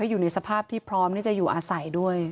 อยู่ในสภาพที่พร้อมที่จะอยู่อาศัยด้วย